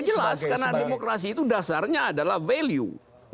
jelas karena demokrasi itu dasarnya adalah value